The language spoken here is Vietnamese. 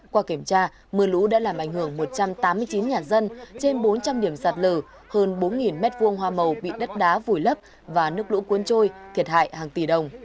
qua kiểm tra mưa lũ đã làm ảnh hưởng một trăm tám mươi chín nhà dân trên bốn trăm linh điểm sạt lở hơn bốn m hai hoa màu bị đất đá vùi lấp và nước lũ cuốn trôi thiệt hại hàng tỷ đồng